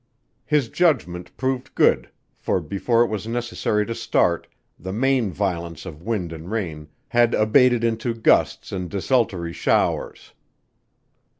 His judgment proved good for before it was necessary to start, the main violence of wind and rain had abated into gusts and desultory showers.